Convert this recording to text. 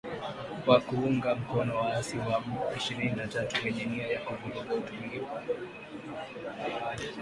kwa kuunga mkono waasi wa M ishirini na tatu wenye nia ya kuvuruga utulivu